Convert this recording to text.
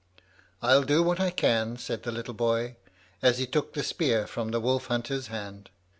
"I'll do what I can," said the little boy, as he took the spear from the wolf hunter's hand.